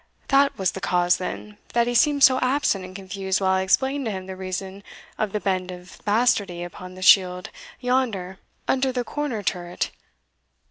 that was the cause, then, that he seemed so absent and confused while I explained to him the reason of the bend of bastardy upon the shield yonder under the corner turret!"